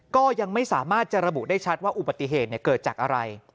ก็ยังไม่สามารถจะระบุได้ชัดว่าอุบัติเหตุเกิดจากอะไร